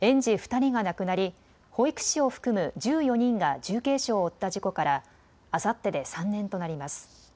２人が亡くなり保育士を含む１４人が重軽傷を負った事故からあさってで３年となります。